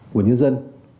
của nhân dân